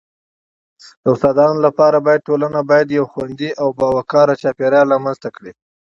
د استادانو لپاره باید ټولنه باید یو خوندي او باوقاره چاپیریال رامنځته کړي..